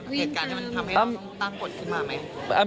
มันทำให้เราต้องตั้งกฎขึ้นมาไหม